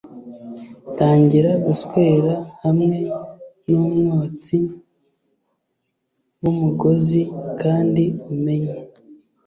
Tangira guswera hamwe numwotsi wumugozi kandi umenye